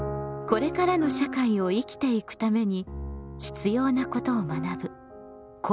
これからの社会を生きていくために必要なことを学ぶ「公共」。